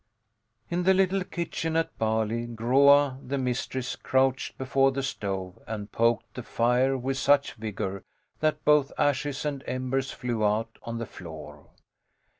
In the little kitchen at Bali, Groa, the mistress, crouched before the stove and poked the fire with such vigour that both ashes and embers flew out on the floor.